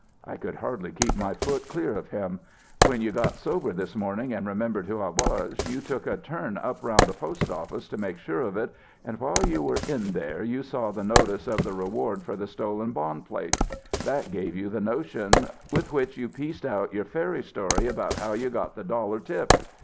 I could hardly keep my foot clear of him. 'When you got sober this morning and remembered who I was, you took a turn up round the postoffice to make sure of it, and while you were in there you saw the notice of the reward for the stolen bond plates. That gave you the notion with which you pieced out your fairy story about how you got the dollar tip.